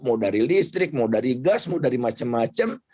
mau dari listrik mau dari gas mau dari macam macam